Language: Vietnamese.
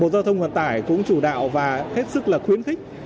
bộ giao thông vận tải cũng chủ đạo và hết sức là khuyến khích